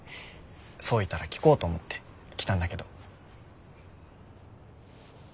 想いたら聞こうと思って来たんだけど。